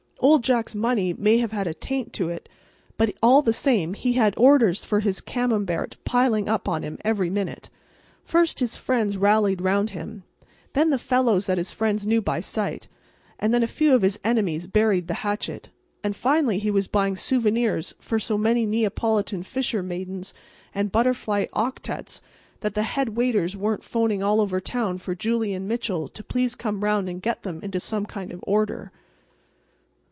Old Jack's money may have had a taint to it, but all the same he had orders for his Camembert piling up on him every minute. First his friends rallied round him; and then the fellows that his friends knew by sight; and then a few of his enemies buried the hatchet; and finally he was buying souvenirs for so many Neapolitan fisher maidens and butterfly octettes that the head waiters were 'phoning all over town for Julian Mitchell to please come around and get them into some kind of order.